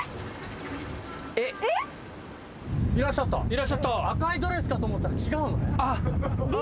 いらっしゃった赤いドレスかと思ったら違うのね。